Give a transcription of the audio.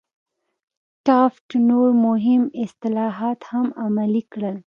ټافت نور مهم اصلاحات هم عملي کړل.